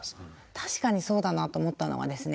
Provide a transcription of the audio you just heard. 確かにそうだなと思ったのがですね